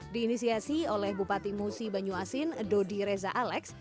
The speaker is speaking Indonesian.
diinisiasi oleh bupati musi banyuasin dodi reza alex